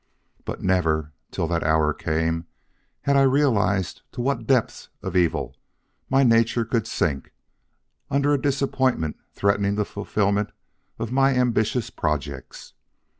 But never, till that hour came, had I realized to what depths of evil my nature could sink under a disappointment threatening the fulfillment of my ambitious projects.